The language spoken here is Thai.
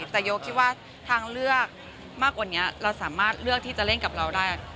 แต่โยคิดว่าทางเลือกมากกว่านี้เราสามารถเลือกที่จะเล่นกับเราได้